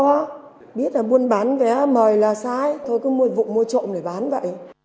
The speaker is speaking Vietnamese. nó biết là buôn bán vé mời là sai thôi cứ mua trộm để bán vậy